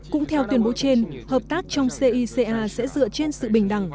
cũng theo tuyên bố trên hợp tác trong cica sẽ dựa trên sự bình đẳng